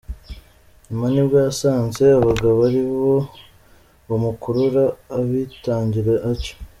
Nyuma nibwo yasanze abagabo aribo bamukurura, abitangira atyo.